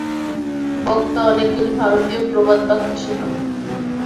বক্তা অনেকগুলি ভারতীয় প্রবাদ-বাক্য শুনান।